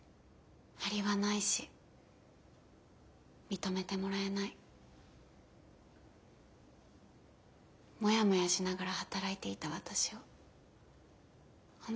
張りはないし認めてもらえないモヤモヤしながら働いていた私を褒めて支えてくれた。